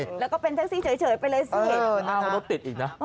แล้วก็เป็นแท็กซี่เฉยไปเลยสิ